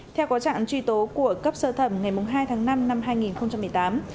theo có trạng truy tố của cấp sơ thẩm ngày hai tháng năm năm hai nghìn một mươi tám